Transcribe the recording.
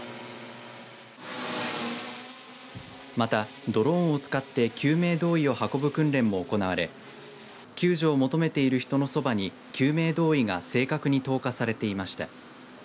またドローンを使って救命胴衣を運ぶ訓練も行われ救助を求めている人のそばに救命胴衣が正確に投下されていました。